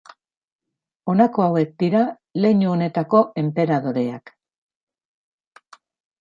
Honako hauek dira leinu honetako enperadoreak.